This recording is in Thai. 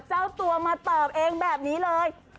เจ้าตัวมาตอบเองแบบนี้เลย